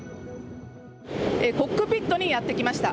コックピットにやって来ました。